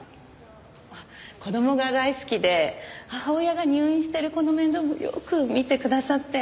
子供が大好きで母親が入院してる子の面倒もよく見てくださって。